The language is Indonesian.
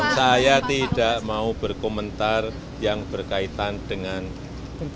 saya tidak mau berkomentar yang berkaitan dengan